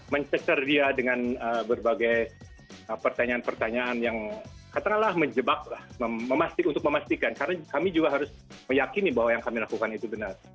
mencetar dia dengan berbagai pertanyaan pertanyaan yang kadang kadang lah menjebak lah memastikan untuk memastikan karena kami juga harus meyakini bahwa yang kami lakukan itu benar